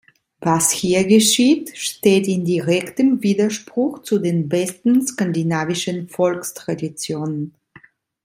Was hier geschieht, steht in direktem Widerspruch zu den besten skandinavischen Volkstraditionen.